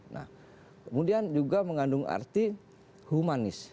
nah kemudian juga mengandung arti humanis